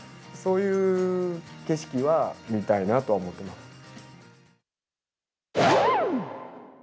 そういう景色は見たいなとは思ってます。